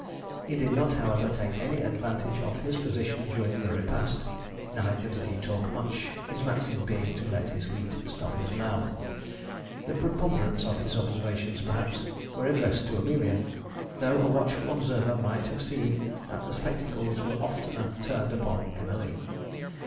He did not, however, take any advantage of his position during the repast, neither did he talk much, his maxim being to let his meat stop his mouth. The preponderance of his observations, perhaps, were addressed to Amelia, though a watchful observer might have seen that the spectacles were oftener turned upon Emily.